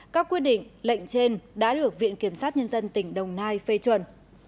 các quyết định lệnh trên đã được viện kiểm sát nhân dân tỉnh đồng nai phê chuẩn